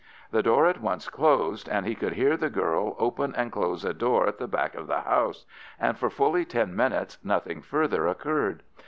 The door at once closed, and he could hear the girl open and close a door at the back of the house, and for fully ten minutes nothing further occurred.